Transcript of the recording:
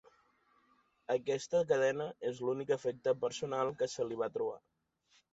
Aquesta cadena és l'únic efecte personal que se li va trobar.